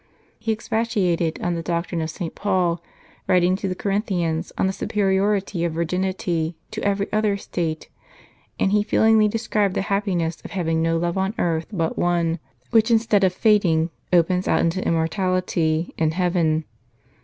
He expatiated on the doctrine of St. Paul, writing to the Corin thians on the superiority of virginity to every other state ; and he feelingly described the happiness of having no love on earth but one, which instead of fading, opens out into immortality, in heaven.